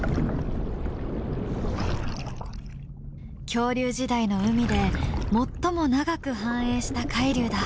恐竜時代の海で最も長く繁栄した海竜だ。